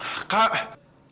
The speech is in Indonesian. kaka kamu berombol